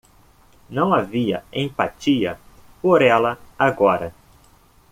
Não havia empatia por ela agora.